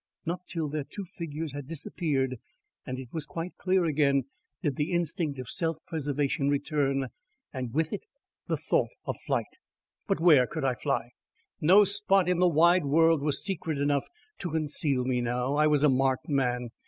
Not till their two figures had disappeared and it was quite clear again did the instinct of self preservation return, and with it the thought of flight. But where could I fly? No spot in the wide world was secret enough to conceal me now. I was a marked man.